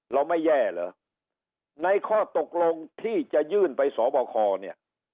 เราไม่แย่เหรอในข้อตกลงที่จะยื่นไปสอบคอเนี่ย